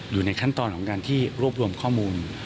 อยู่ในขั้นตอนของการที่รวบรวมข้อมูล